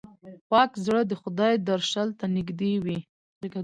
پاک زړه د خدای درشل ته نږدې وي.